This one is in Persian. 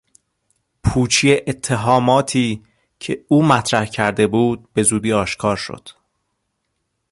پوچی اتهاماتی که او مطرح کرده بود بزودی آشکار شد.